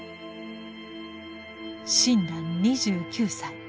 親鸞２９歳。